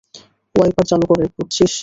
Wiper চালু করে, বুঝছিস?